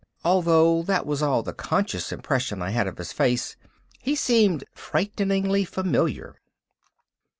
Although that was all the conscious impression I had of his face, he seemed frighteningly familiar.